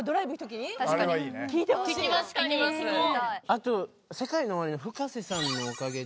あとＳＥＫＡＩＮＯＯＷＡＲＩのＦｕｋａｓｅさんのおかげで。